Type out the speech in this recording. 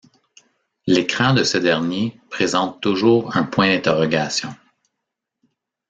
L'écran de ce dernier présente toujours un point d'interrogation.